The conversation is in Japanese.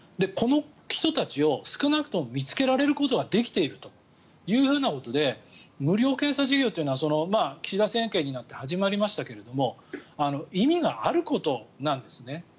この人たちを少なくとも見つけられることはできているということで無料検査事業というのは岸田政権になって始まりましたけど意味があることなんですね。